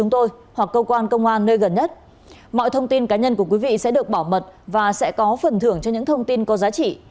thông tin cá nhân của quý vị sẽ được bảo mật và sẽ có phần thưởng cho những thông tin có giá trị